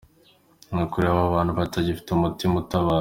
Nu ukuri hari abatu bagifite umutima utabara.